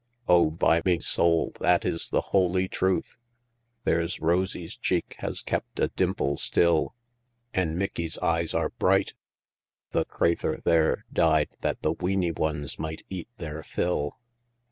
"O, by me sowl, that is the holy truth! There's Rosie's cheek has kept a dimple still, An' Mickie's eyes are bright the craythur there Died that the weeny ones might eat there fill."